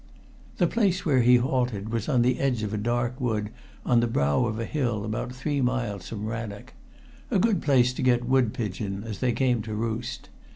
The place where he halted was on the edge of a dark wood on the brow of a hill about three miles from Rannoch a good place to get woodpigeon, as they came to roost.